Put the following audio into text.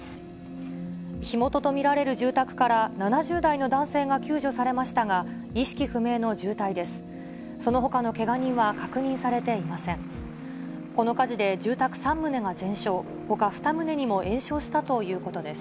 火元と見られる住宅から７０代の男性が救助されましたが、意識不明の重体です。